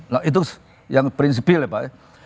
nah itu yang prinsipil ya pak ya